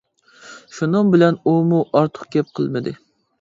شۇنىڭ بىلەن ئۇمۇ ئارتۇق گەپ قىلمىدى.